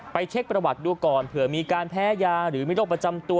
เช็คประวัติดูก่อนเผื่อมีการแพ้ยาหรือมีโรคประจำตัว